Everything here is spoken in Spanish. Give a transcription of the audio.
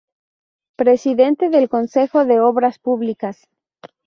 Presidente del Consejo de Obras Públicas.